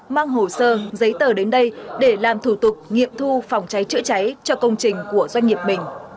mang hồ sơ giấy tờ đến đây để làm thủ tục nghiệm thu phòng cháy chữa cháy cho công trình của doanh nghiệp mình